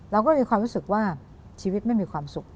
เราก็มีความรู้สึกว่าชีวิตไม่มีความสุข